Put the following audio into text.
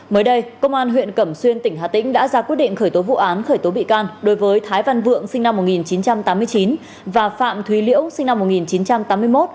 mới đây công an huyện cẩm xuyên tỉnh hà tĩnh đã ra quyết định khởi tố vụ án khởi tố bị can đối với thái văn vượng sinh năm một nghìn chín trăm tám mươi chín và phạm thúy liễu sinh năm một nghìn chín trăm tám mươi một